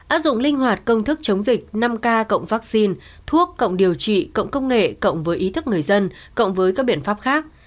áp dụng linh hoạt công thức chống dịch năm k cộng vaccine thuốc cộng điều trị cộng công nghệ cộng với ý thức người dân cộng với các biện pháp khác